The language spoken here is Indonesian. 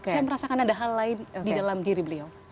saya merasakan ada hal lain di dalam diri beliau